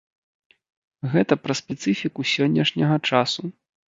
Гэта пра спецыфіку сённяшняга часу.